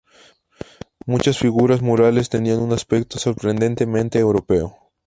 Muchas figuras murales tenían un aspecto sorprendentemente europeo.